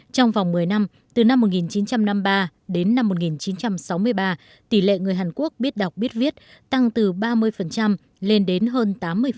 trong vòng một mươi năm từ năm một nghìn chín trăm năm mươi ba đến năm một nghìn chín trăm sáu mươi ba tỷ lệ người hàn quốc biết đọc biết viết tăng từ ba mươi lên đến hơn tám mươi